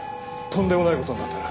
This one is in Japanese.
とんでもない事になったな。